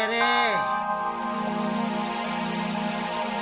ya ada si rere